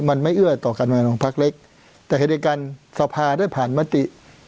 มันไม่เอื้อต่อการเมืองของพักเล็กแต่เหตุการณ์สภาได้ผ่านมติ